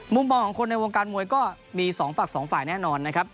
มุมมองของคนในวงการมวยก็มีสองฝั่งสองฝ่ายแน่นอนนะครับ